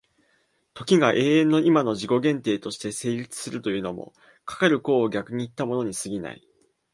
時が永遠の今の自己限定として成立するというのも、かかる考を逆にいったものに過ぎない。